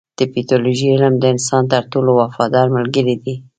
د پیتالوژي علم د انسان تر ټولو وفادار ملګری دی.